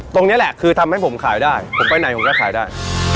ตรงนี้แหละคือทำให้ผมขายได้ผมไปไหนผมก็ขายได้